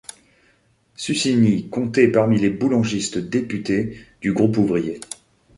Susini comptait parmi les boulangistes députés du groupe ouvrier.